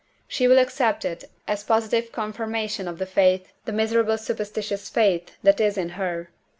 She will accept it as positive confirmation of the faith, the miserable superstitious faith, that is in her.